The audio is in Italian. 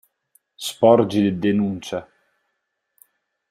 Sporgi denuncia